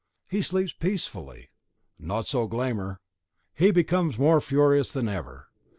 He sleeps peacefully. Not so Glámr; he becomes more furious than ever.